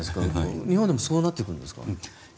日本でもそうなっていくんですか。